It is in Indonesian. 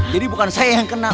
jadi bukan saya yang kena